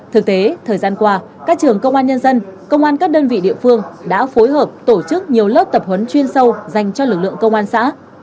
thực tế thời gian qua các trường công an nhân dân công an các đơn vị địa phương đã phối hợp tổ chức nhiều lớp tập huấn chuyên sâu dành cho lực lượng công an xã